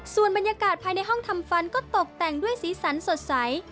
ส่วนบรรยากาศภายในห้องทำฟันก็ตกแต่งด้วยสีสันสดใส